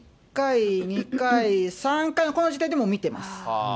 １回、２回、３回のこの時点でもう診てます。